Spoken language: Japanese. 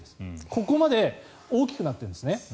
ここまで大きくなっているんですね。